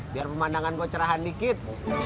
biar pemandangan gue cerahan dikit